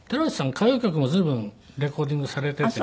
歌謡曲も随分レコーディングされていてね。